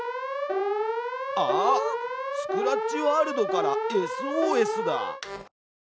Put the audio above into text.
あっスクラッチワールドからＳＯＳだ！